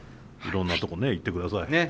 いろんなとこね行ってください。